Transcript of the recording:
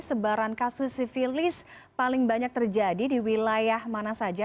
sebaran kasus sivilis paling banyak terjadi di wilayah mana saja